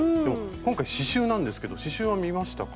今回刺しゅうなんですけど刺しゅうは見ましたか？